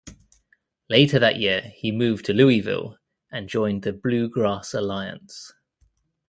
Later that year, he moved to Louisville and joined the Bluegrass Alliance.